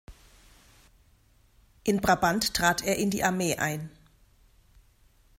In Brabant trat er in die Armee ein.